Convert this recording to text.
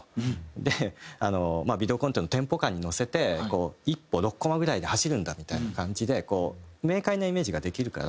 でまあビデオコンテのテンポ感に乗せて１歩６コマぐらいで走るんだみたいな感じでこう明快なイメージができるから。